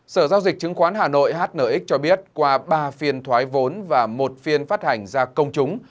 sở giao dịch chứng khoán hà nội hnx cho biết qua ba phiên thoái vốn và một phiên phát hành ra công chúng